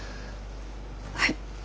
はい。